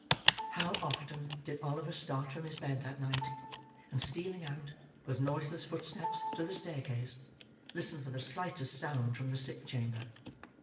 How often did Oliver start from his bed that night, and stealing out, with noiseless footstep, to the staircase, listen for the slightest sound from the sick chamber!